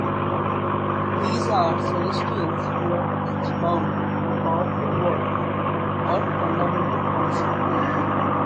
These are celestials who are each bound to a powerful "Word," or fundamental concept.